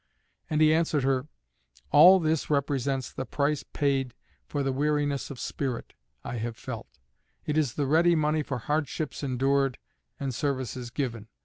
And he answered her, "All this represents the price paid for the weariness of spirit I have felt; it is the ready money for hardships endured and services given.